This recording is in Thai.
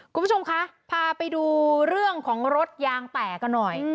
คุณผู้ชมคะพาไปดูเรื่องของรถยางแตกกันหน่อย